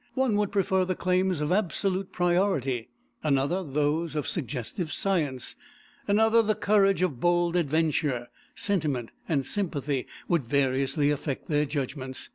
One would prefer the claims of absolute priority; another those of suggestive science; another the courage of bold adventure; sentiment and sympathy would variously affect their judgments.